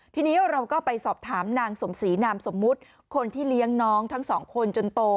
ทีนี้เราก็ไปสอบถามนางสมศรีนามสมมุติคนที่เลี้ยงน้องทั้งสองคนจนโต